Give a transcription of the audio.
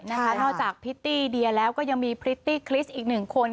นอกจากพริตตี้เดียแล้วก็ยังมีพริตตี้คริสต์อีกหนึ่งคน